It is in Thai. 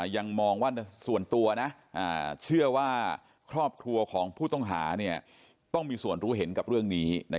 ยังมองว่าส่วนตัวนะเชื่อว่าครอบครัวของผู้ต้องหาต้องมีส่วนรู้เห็นกับเรื่องนี้